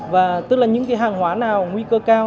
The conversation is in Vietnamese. và tức là những cái hàng hóa nào nguy cơ cao